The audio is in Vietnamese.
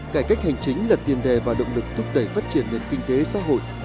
cải cách hành chính là tiền đề và động lực thúc đẩy phát triển nền kinh tế xã hội